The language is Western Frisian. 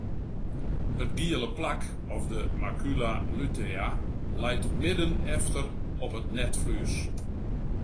It giele plak of de macula lutea leit midden efter op it netflues.